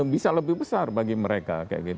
bisa lebih besar bagi mereka